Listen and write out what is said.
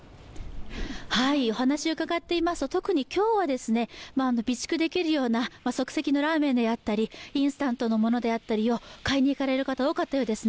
お話を伺っていますと、特に今日は、備蓄できるような即席のラーメンであったり、インスタントのものであったりを買いに行かれる方が多かったようですね。